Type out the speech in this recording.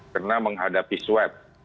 karena menghadapi swep